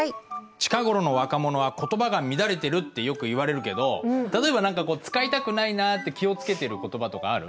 近頃の若者は言葉が乱れてるってよく言われるけど例えば何かこう使いたくないなぁって気を付けてる言葉とかある？